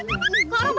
jem lu gapapa